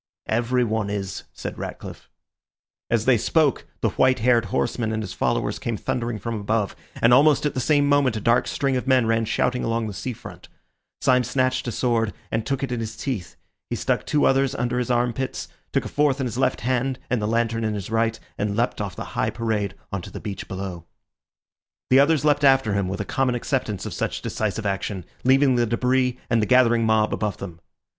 "Everyone is," said Ratcliffe. As they spoke, the white haired horseman and his followers came thundering from above, and almost at the same moment a dark string of men ran shouting along the sea front. Syme snatched a sword, and took it in his teeth; he stuck two others under his arm pits, took a fourth in his left hand and the lantern in his right, and leapt off the high parade on to the beach below. The others leapt after him, with a common acceptance of such decisive action, leaving the debris and the gathering mob above them.